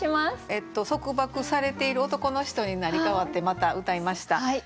えっと束縛されている男の人に成り代わってまたうたいました。